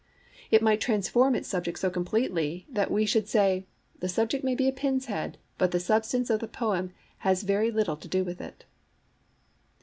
It might transform its subject so completely that we should say, 'The subject may be a pin's head, but the substance of the poem has very little to do with it.'